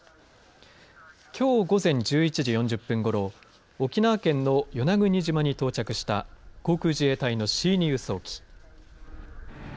きょう午前１１時４０分ごろ沖縄県の与那国島に到着した航空自衛隊のＣ２輸送機。